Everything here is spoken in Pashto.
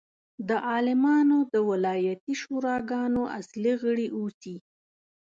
د عالمانو د ولایتي شوراګانو اصلي غړي اوسي.